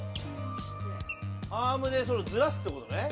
アームでそれをズラすってことね。